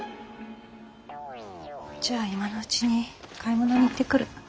じゃあ今のうちに買い物に行ってくる。